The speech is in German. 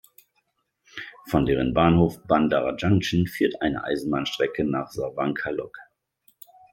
Von deren Bahnhof "Ban Dara Junction" führt eine Eisenbahnstrecke nach Sawankhalok.